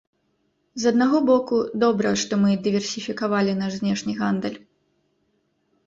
З аднаго боку, добра, што мы дыверсіфікавалі наш знешні гандаль.